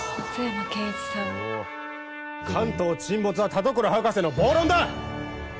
関東沈没は田所博士の暴論だ！